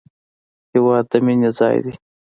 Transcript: هېواد د مینې ځای دی